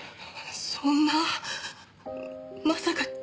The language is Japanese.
そんなまさか父が。